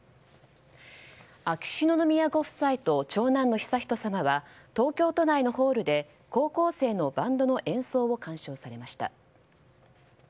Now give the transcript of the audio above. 秋篠宮ご夫妻と長男の悠仁さまは東京都内のホールで高校生のバンドの演奏を鑑賞されました。